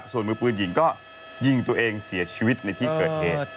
ส่วนมือปืนหญิงก็ยิงตัวเองเสียชีวิตในที่เกิดเหตุ